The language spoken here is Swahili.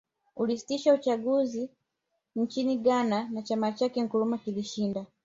Uliitishwa uchaguzi nchini Ghana na chama chake Nkrumah kilishinda